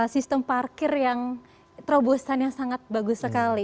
sistem parkir yang terobosan yang sangat bagus sekali